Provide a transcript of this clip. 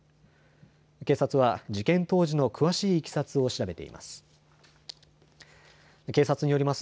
警察は事件当時の詳しいいきさつを調べています。